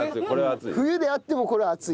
冬であってもこれは熱いよ。